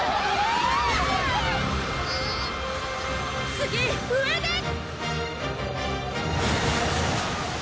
次上です！